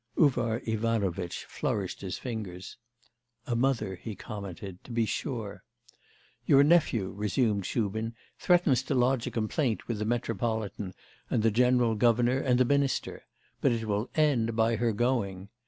Uvar Ivanovitch flourished his fingers. 'A mother,' he commented, 'to be sure.' 'Your nephew,' resumed Shubin, 'threatens to lodge a complaint with the Metropolitan and the General Governor and the Minister, but it will end by her going.